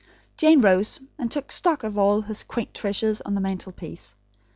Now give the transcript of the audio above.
Jane rose, and took stock of all his quaint treasures on the mantelpiece.